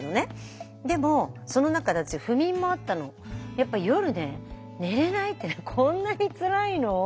やっぱり夜ね寝れないってこんなにつらいのって。